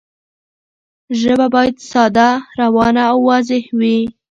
ژبه باید ساده، روانه او واضح وي.